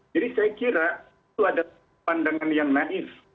jadi saya kira itu adalah pandangan yang naif